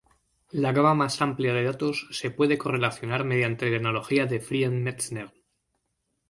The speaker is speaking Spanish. La gama más amplia de datos se puede correlacionar mediante la analogía de Friend-Metzner.